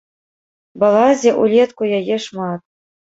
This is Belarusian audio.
Балазе ўлетку яе шмат.